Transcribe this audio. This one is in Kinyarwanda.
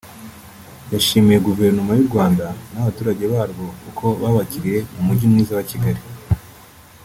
yashimiye Guverinoma y’u Rwanda n’abaturage barwo uko babakiriye mu mujyi mwiza wa Kigali